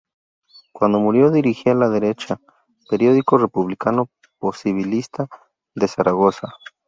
Cuando murió dirigía "La Derecha", periódico republicano posibilista de Zaragoza.